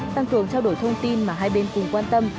tăng cường trao đổi thông tin mà hai bên cùng quan tâm